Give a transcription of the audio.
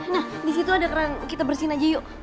nah di situ ada keran kita bersihin aja yuk